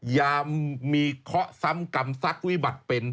อย่ามีเคราะห์ซ้ำกรรมศักดิ์วิบัติเป็น